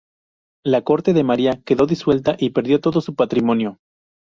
La Corte de María quedó disuelta y perdido todo su patrimonio.